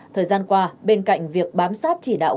thời gian qua bên cạnh việc bám sát chỉ đạo